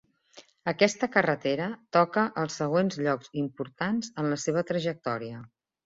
Aquesta carretera toca els següents llocs importants en la seva trajectòria.